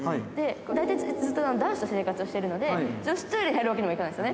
大体、ずっと男子として生活してるので、女子トイレに入るわけにもいかないよね。